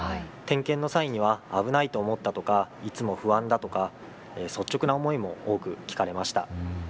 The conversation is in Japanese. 点検の際には危ないと思ったとか、いつも不安だとか、率直な思いも多く聞かれました。